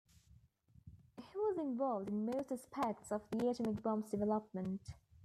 He was involved in most aspects of the atomic bomb's development.